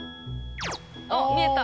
あっみえた。